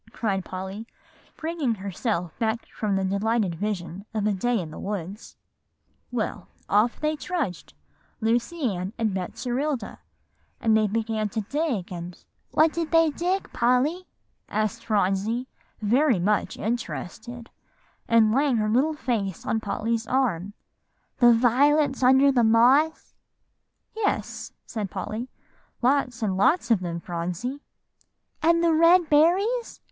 cried Polly, bringing herself back from the delightful vision of a day in the woods; "well, off they trudged, Lucy Ann and Betserilda, and they began to dig and" "What did they dig, Polly?" asked Phronsie, very much interested, and laying her little face on Polly's arm, "the little violets under the moss?" "Yes," said Polly, "lots and lots of them, Phronsie." "And the red berries?"